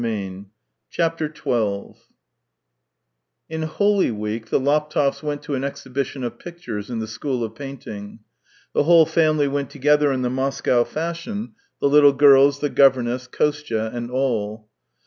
270 THE TALES OF TCHEHOV XII In Holy Week the Laptevs went to an exhibition of pictures in the school of painting. The whole family went together in the Moscow fashion, the little girls, the governess, Kostya, and all.